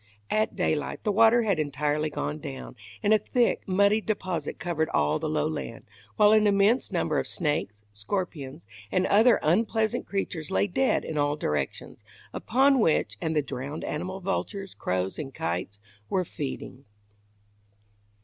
At daylight the water had entirely gone down, and a thick, muddy deposit covered all the lowland, while an immense number of snakes, scorpions, and other unpleasant creatures lay dead in all directions, upon which and the drowned animals vultures, crows and kites were feeding.